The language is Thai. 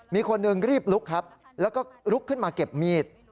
มีคนหนึ่งรีบลุกครับแล้วก็ลุกขึ้นมาเก็บมีด